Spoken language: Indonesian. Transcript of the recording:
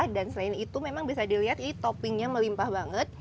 dan selain itu memang bisa dilihat ini toppingnya melimpah banget